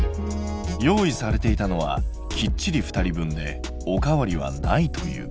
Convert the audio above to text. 用意されていたのはきっちり２人分でおかわりはないという。